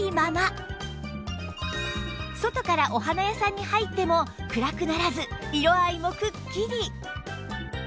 外からお花屋さんに入っても暗くならず色合いもくっきり！